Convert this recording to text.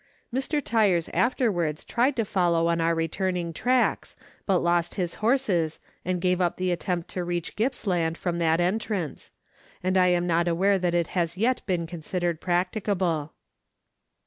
Mr. Tyers aftenvards tried to follow on our returning tracks, but lost his horses, and gave up the attempt to reach Gippsland from that entrance, and I am not aware that it has yet been con sidered practicable.